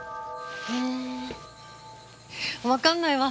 うんわかんないわ。